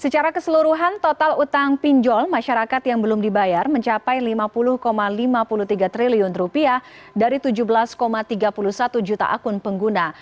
secara keseluruhan total utang pinjol masyarakat yang belum dibayar mencapai rp lima puluh lima puluh tiga triliun dari tujuh belas tiga puluh satu juta akun pengguna